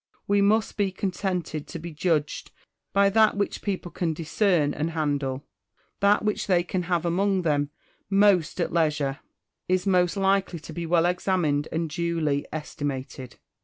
We must be contented to be judged by that which people can discern and handle : that which they can have among them, most at leisure, is most likely to be well examined and duly estimated.